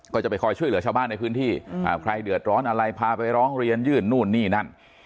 ก็จะไปคอยช่วยเหลือชาวบ้านในพื้นที่ใครเดือดร้อนอะไรพาไปร้องเรียนยื่นนู่นนี่นั่น